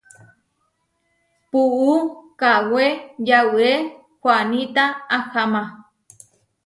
Puú kawé yauré huaníta aháma.